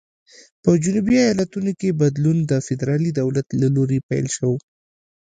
په جنوبي ایالتونو کې بدلون د فدرالي دولت له لوري پیل شول.